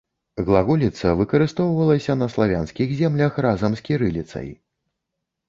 Глаголіца выкарыстоўвалася на славянскіх землях разам з кірыліцай.